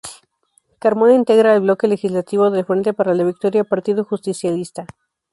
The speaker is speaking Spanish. Carmona integra el Bloque legislativo del Frente para la Victoria-Partido Justicialista.